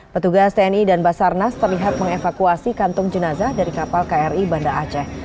petugas tni dan basarnas terlihat mengevakuasi kantung jenazah dari kapal kri banda aceh